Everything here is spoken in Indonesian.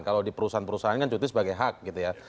kalau di perusahaan perusahaan kan cuti sebagai hak gitu ya